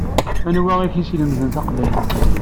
Anwi i k-yeslemden taqbaylit?